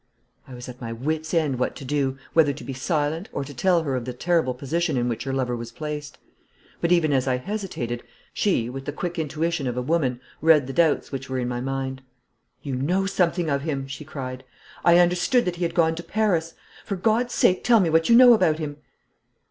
I was at my wit's ends what to do, whether to be silent, or to tell her of the terrible position in which her lover was placed; but, even as I hesitated, she, with the quick intuition of a woman, read the doubts which were in my mind. 'You know something of him,' she cried. 'I understood that he had gone to Paris. For God's sake tell me what you know about him!'